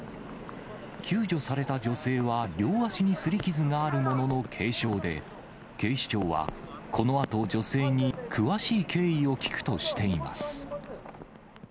救助された女性は両足にすり傷があるものの軽傷で、警視庁は、このあと女性に詳しい経緯を聴くとしています。